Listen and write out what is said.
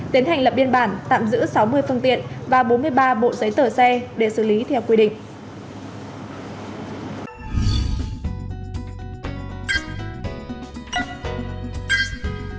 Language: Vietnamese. tiến hành lập biên bản tạm giữ sáu mươi phương tiện và bốn mươi ba bộ giấy tờ xe để xử lý theo quy định